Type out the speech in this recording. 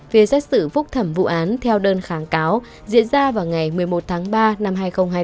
về xét xử phúc thẩm vụ án theo đơn kháng cáo diễn ra vào ngày một mươi một tháng ba năm hai nghìn hai mươi ba